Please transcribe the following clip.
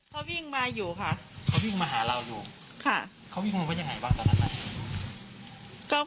เขาวิ่งมาอยู่ค่ะเขาวิ่งมาหาเราอยู่ค่ะเขาวิ่งมาว่ายังไงบ้างตอนนั้นน่ะ